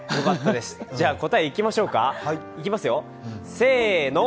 じゃあ、答えいきましょうかせーの。